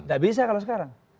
enggak bisa kalau sekarang